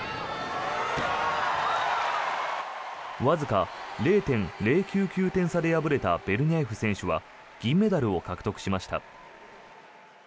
わずか０．０９９点差で敗れたベルニャエフ選手は銀メダルを獲得しました。